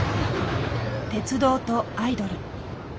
鉄道とアイドル。